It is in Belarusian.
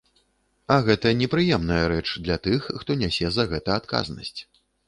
А гэта непрыемная рэч для тых, хто нясе за гэта адказнасць.